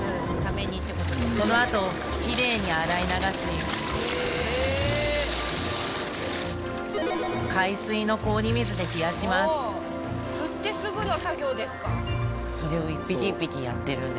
そのあときれいに洗い流し海水の氷水で冷やします釣ってすぐの作業ですか。